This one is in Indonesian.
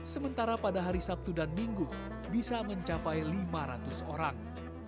sementara pada hari sabtu dan minggu bisa mencapai lima ratus orang